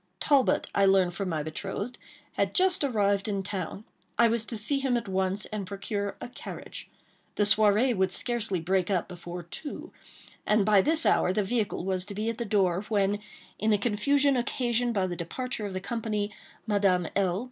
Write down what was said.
Talbot, I learned from my betrothed, had just arrived in town. I was to see him at once, and procure a carriage. The soirée would scarcely break up before two; and by this hour the vehicle was to be at the door; when, in the confusion occasioned by the departure of the company, Madame L.